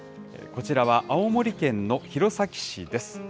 こちらは、青森県の弘前市です。